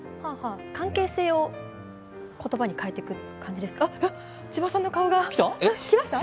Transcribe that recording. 関係性を言葉に変えていく感じですか。